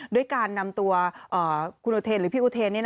ด้วยการนำตัวคุณโอเทนหรือพี่อุเทน